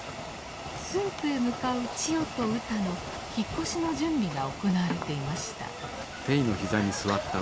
駿府へ向かう千代とうたの引っ越しの準備が行われていました。